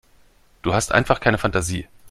Du hast einfach keine Fantasie.